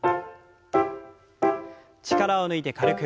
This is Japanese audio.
力を抜いて軽く。